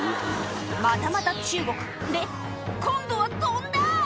またまた中国で今度は飛んだ！